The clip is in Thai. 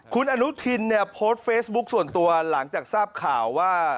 คุณอนุทินเนี่ยโพสต์เฟซบุ๊คส่วนตัวหลังจากทราบข่าวว่า